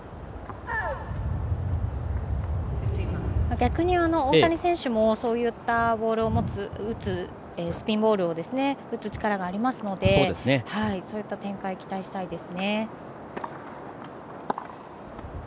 逆に大谷選手もそういったボールスピンボールを打つ力がありますのでそういった展開を期待したいです。